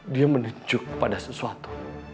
dia menunjuk kepada sesuatu